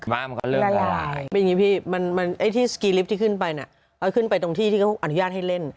มันก็เริ่มละลายไม่อย่างนี้พี่ไอ้ที่สกีลิฟต์ที่ขึ้นไปน่ะขึ้นไปตรงที่ที่เขาอนุญาตให้เล่น